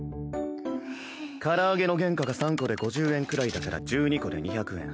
唐揚げの原価が３個で５０円くらいだから１２個で２００円。